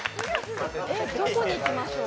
えっ、どこにいきましょう。